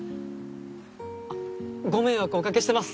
あっご迷惑をおかけしてます。